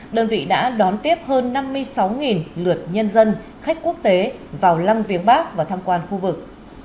đơn vị đã đón tiếp hơn năm mươi sáu lượt nhân dân khách quốc tế vào lăng viếng bắc và tham quan khu vực